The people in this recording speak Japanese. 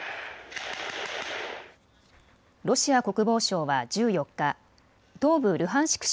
ロシア国防省は１４日、東部ルハンシク